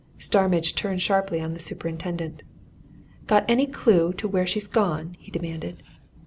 Starmidge turned sharply on the superintendent. "Got any clue to where she's gone?" he demanded.